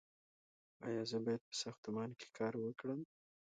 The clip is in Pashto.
ایا زه باید په ساختمان کې کار وکړم؟